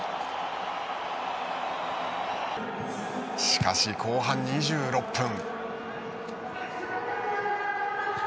しかし後半２６分。